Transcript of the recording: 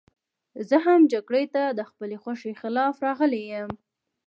زه هم جګړې ته د خپلې خوښې خلاف راغلی یم